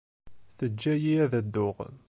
Teǧǧa-iyi ad dduɣ.